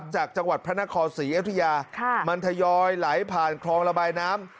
จากจังหวัดพระนครศรีอยุธยามันทยอยไหลผ่านคลองระบายน้ำ